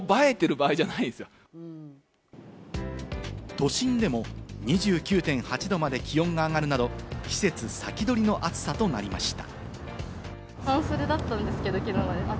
都心でも２９．８度まで気温が上がるなど季節先取りの暑さとなりました。